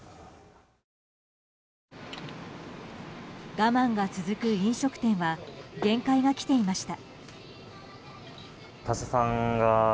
我慢が続く飲食店は限界がきていました。